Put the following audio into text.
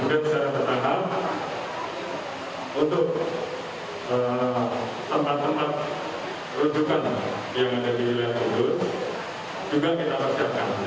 dan secara berkata untuk tempat tempat rujukan yang ada di wilayah kudus juga kita persiapkan